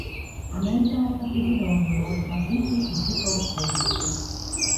Она играет определенную роль в развитии Эдипова комплекса.